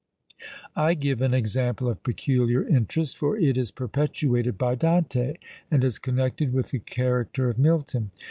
I give an example of peculiar interest; for it is perpetuated by Dante, and is connected with the character of Milton.